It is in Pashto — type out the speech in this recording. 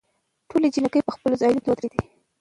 ټولې جینکې په خپلو ځايونوکې ودرېدي.